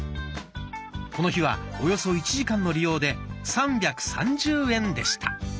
この日はおよそ１時間の利用で３３０円でした。